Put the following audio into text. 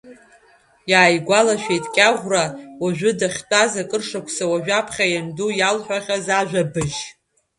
Иааигәалашәеит Кьаӷәра уажәы дахьтәаз акыр шықәса уажәаԥхьа ианду иалҳәахьаз ажәабжь.